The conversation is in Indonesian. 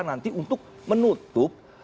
nanti untuk menutup